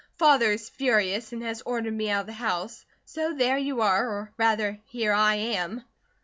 Father is furious and has ordered me out of the house. So there you are, or rather here I am."